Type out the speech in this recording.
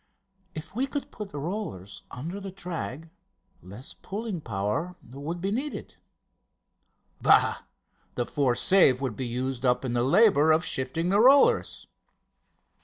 "If we could put rollers under the drag, less pulling power would be needed." "Bah! the force saved would be used up in the labour of shifting the rollers."